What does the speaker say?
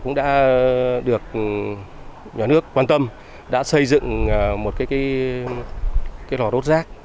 cũng đã được nhà nước quan tâm đã xây dựng một cái lò rốt rác